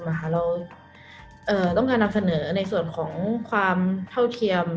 เราต้องการนำเสนอในส่วนของความเท่าเทียม